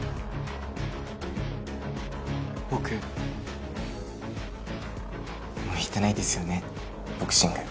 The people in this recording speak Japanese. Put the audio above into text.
僕向いてないですよねボクシング。